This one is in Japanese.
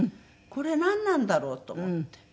これなんなんだろう？と思って。